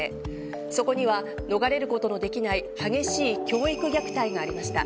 そこには逃れることのできない激しい教育虐待がありました。